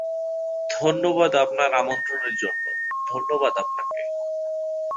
ধন্যবাদ আপনার আমন্ত্রণের জন্য, ধন্যবাদ আপনাকে!